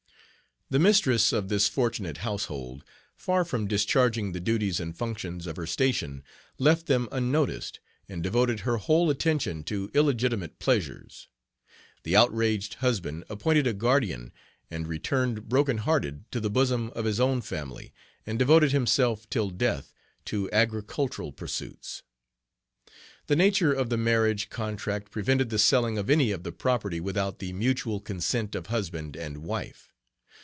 The mistress of this fortunate household, far from discharging the duties and functions of her station, left them unnoticed, and devoted her whole attention to illegitimate pleasures. The outraged husband appointed a guardian and returned broken hearted to the bosom of his own family, and devoted himself till death to agricultural pursuits. The nature of the marriage contract prevented the selling of any of the property without the mutual consent of husband and wife.